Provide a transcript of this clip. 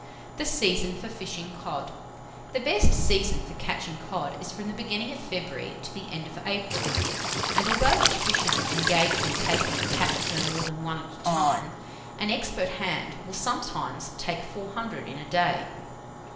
THE SEASON FOR FISHING COD. The best season for catching cod is from the beginning of February to the end of April; and although each fisherman engaged in taking them, catches no more than one at a time, an expert hand will sometimes take four hundred in a day.